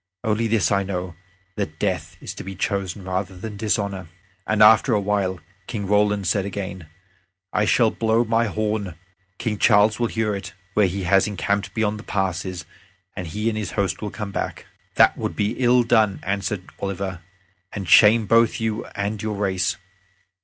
"Only this I know that death is to be chosen rather than dishonor." After a while Roland said again, "I shall blow my horn; King Charles will hear it, where he has encamped beyond the passes, and he and his host will come back." "That would be ill done," answered Oliver, "and shame both you and your race.